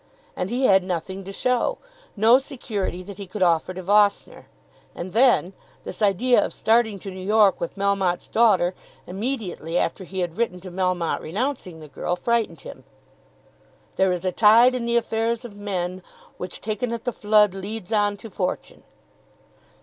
And he had nothing to show; no security that he could offer to Vossner. And then, this idea of starting to New York with Melmotte's daughter immediately after he had written to Melmotte renouncing the girl, frightened him. "There is a tide in the affairs of men, Which taken at the flood leads on to fortune."